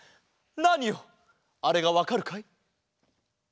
ナーニよあれがわかるかい？